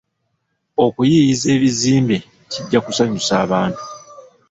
Okuyiiyiza ebizimbe kijja kusanyusa abantu.